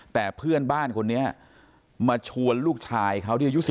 แต่เพื่อนบ้านคนนี้มาชวนลูกชายเขาที่อายุ๑